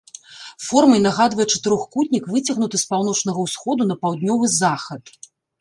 Формай нагадвае чатырохкутнік, выцягнуты з паўночнага ўсходу на паўднёвы захад.